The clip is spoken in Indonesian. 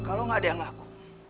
kalau gak ada yang ngaku